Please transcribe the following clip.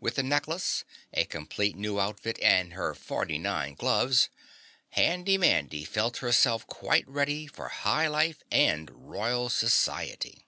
With the necklace, a complete new outfit and her forty nine gloves, Handy Mandy felt herself quite ready for high life and royal society.